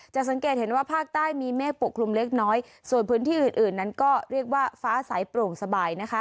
สังเกตเห็นว่าภาคใต้มีเมฆปกคลุมเล็กน้อยส่วนพื้นที่อื่นอื่นนั้นก็เรียกว่าฟ้าใสโปร่งสบายนะคะ